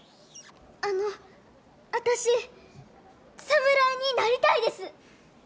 あの私侍になりたいです！